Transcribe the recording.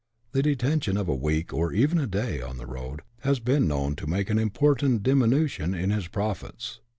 The detention of a week, or ev^n a day, on the road, has been known to make an important diminution in his profits.